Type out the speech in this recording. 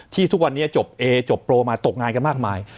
ทุกวันนี้จบเอจบโปรมาตกงานกันมากมาย